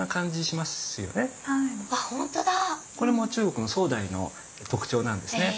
これも中国の宋代の特徴なんですね。